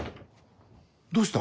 どうした？